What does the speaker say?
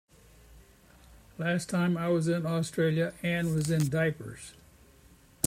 Last time I was in Australia Anne was in diapers.